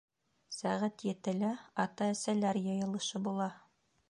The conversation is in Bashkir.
Сәғәт етелә ата-әсәләр йыйылышы була.